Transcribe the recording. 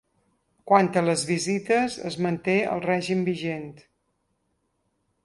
Quant a les visites, es manté el règim vigent.